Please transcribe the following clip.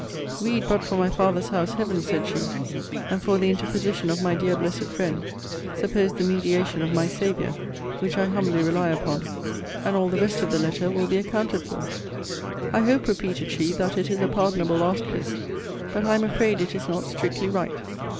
'Read but for my father's house, Heaven, said she, and for the interposition of my dear blessed friend, suppose the mediation of my Saviour (which I humbly rely upon); and all the rest of the letter will be accounted for.' I hope (repeated she) that it is a pardonable artifice. But I am afraid it is not strictly right.